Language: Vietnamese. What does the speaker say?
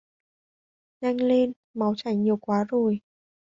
Nhanh lên, máu chảy nhiều quá rồi